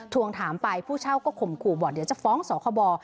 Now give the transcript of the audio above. วงถามไปผู้เช่าก็ข่มขู่บอกเดี๋ยวจะฟ้องสคบ